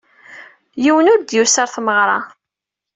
Yiwen ur d-yusi ɣer tmeɣra.